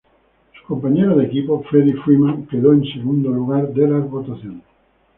Su compañero de equipo Freddie Freeman quedó en segundo lugar de las votaciones.